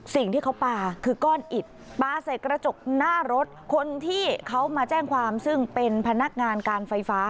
สิ่งที่เขาปลาคือก้อนอิดปลาใส่กระจกหน้ารถคนที่เขามาแจ้งความซึ่งเป็นพนักงานการไฟฟ้า